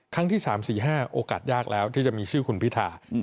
ครั้งที่๓๔๕โอกาสยากแล้วที่จะมีชื่อคุณพิธา